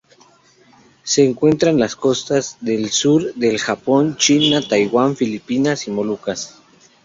Se encuentran en las costas del sur del Japón, China, Taiwán, Filipinas y Molucas.